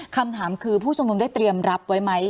คำถามคือผู้ชมนุมได้เตรียมรับไว้ไหม